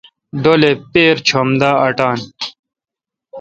ڈولے پیرہ چم دا اٹان۔